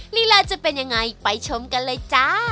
ลีลาจะเป็นยังไงไปชมกันเลยจ้า